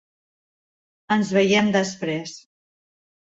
Ens veiem després.